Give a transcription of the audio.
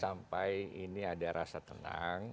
sampai ini ada rasa tenang